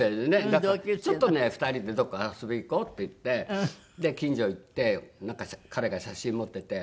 なんかちょっとね２人でどっか遊びいこうって言ってで近所行ってなんか彼が写真持ってて。